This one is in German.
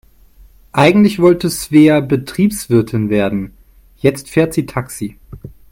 Eigentlich wollte Svea Betriebswirtin werden, jetzt fährt sie Taxi.